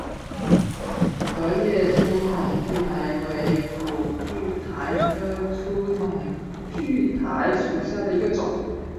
革叶粗筒苣苔为苦苣苔科粗筒苣苔属下的一个种。